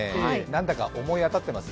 何だか思い当たってます？